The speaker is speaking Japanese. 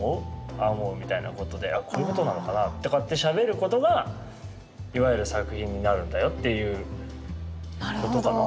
「ああ思う」みたいなことで「あこういうことなのかな」とかってしゃべることがいわゆる作品になるんだよっていうことかな。